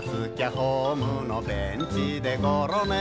ホームのベンチでゴロ寝」